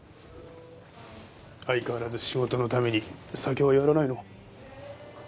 相変わらず仕事のために酒はやらないの？